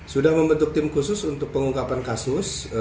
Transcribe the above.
sudah membentuk tim khusus untuk pengungkapan kasus